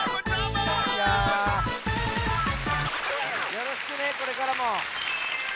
よろしくねこれからも。